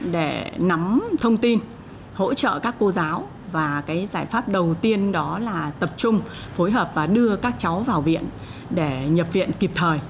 để nắm thông tin hỗ trợ các cô giáo và giải pháp đầu tiên đó là tập trung phối hợp và đưa các cháu vào viện để nhập viện kịp thời